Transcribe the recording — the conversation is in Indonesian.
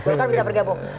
mungkin bisa bergabung